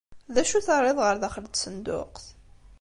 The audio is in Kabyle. D acu i terriḍ ɣer daxel n tsenduqt?